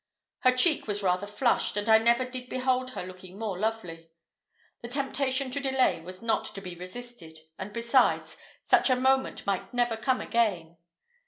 Her cheek was rather flushed, and never did I behold her looking more lovely. The temptation to delay was not to be resisted, and besides, such a moment might never come again.